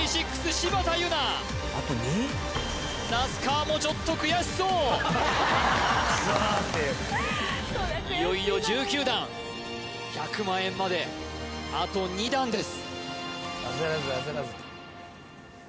柴田柚菜那須川もちょっと悔しそういよいよ１９段１００万円まであと２段です